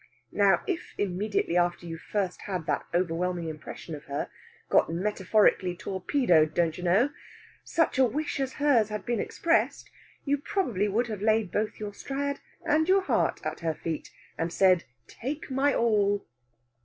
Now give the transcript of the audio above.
Now, if immediately after you first had that overwhelming impression of her got metaphorically torpedoed, don't you know? such a wish as hers had been expressed, you probably would have laid both your Strad and your heart at her feet, and said take my all!"